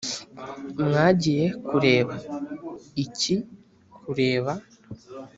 mwagiye kureba iki kureba